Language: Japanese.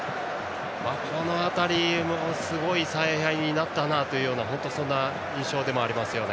この辺りもすごい采配になったような本当にそんな印象でもありますね。